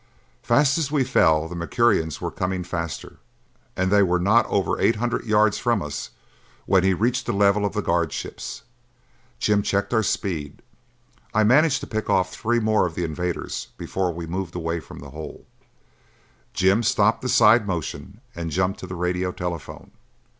Fast as we fell, the Mercurians were coming faster, and they were not over eight hundred yards from us when he reached the level of the guard ships. Jim checked our speed; I managed to pick off three more of the invaders before we moved away from the hole. Jim stopped the side motion and jumped to the radio telephone.